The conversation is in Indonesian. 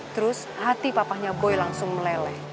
terus hati papahnya boy langsung meleleh